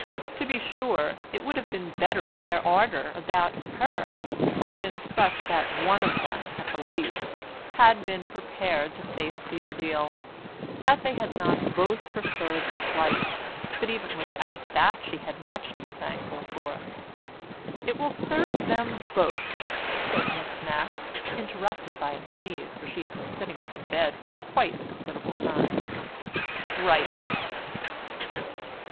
To be sure, it would have been better if their ardour about her had been such that one of them, at the least, had been prepared to face the ordeal, that they had not both preferred flight, but even without that she had much to be thankful for. "It will serve them both," said Miss Mapp (interrupted by a sneeze, for she had been sitting up in bed for quite a considerable time), "right."